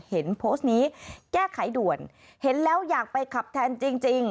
เห็นโพสต์นี้แก้ไขด่วนเห็นแล้วอยากไปขับแทนจริงจริง